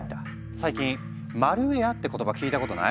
最近「マルウェア」って言葉聞いたことない？